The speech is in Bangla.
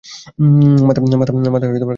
মাথা খারাপ হয়ে গেল নাকি জয়ার?